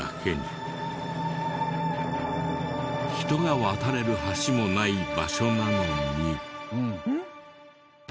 人が渡れる橋もない場所なのに。